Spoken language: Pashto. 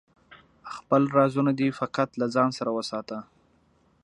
خپل رازونه دی فقط له ځانه سره وساته